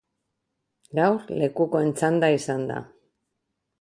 Gaur lekukoen txanda izan da.